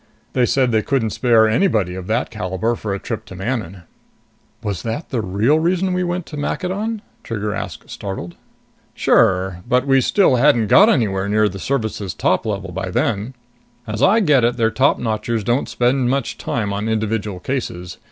They said they couldn't spare anybody of that caliber for a trip to Manon." "Was that the real reason we went to Maccadon?" Trigger asked, startled. "Sure. But we still hadn't got anywhere near the Service's top level then. As I get it, their topnotchers don't spend much time on individual cases.